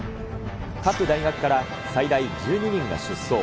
各大学から最大１２人が出走。